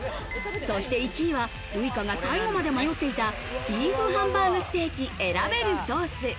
そして１位は、ウイカが最後まで迷っていたＢＥＥＦハンバーグステーキ選べるソース。